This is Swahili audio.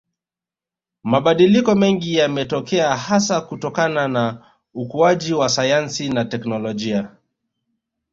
Mabadiliko mengi yametokea hasa kutokana na ukuaji wa sayansi na technolojia